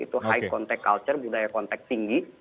itu high contact culture budaya kontak tinggi